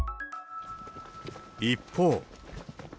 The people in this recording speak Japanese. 一方。